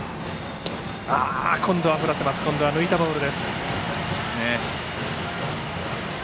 今度は振らせます、抜いたボール。